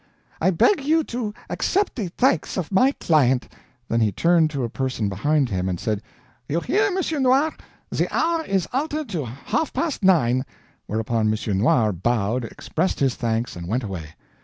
"I beg you to accept the thanks of my client." Then he turned to a person behind him, and said, "You hear, M. Noir, the hour is altered to half past nine." Whereupon M. Noir bowed, expressed his thanks, and went away.